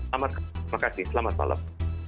terima kasih selamat malam